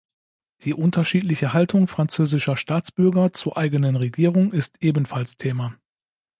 Die unterschiedliche Haltung französischer Staatsbürger zur eigenen Regierung ist ebenfalls Thema.